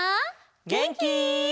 げんき？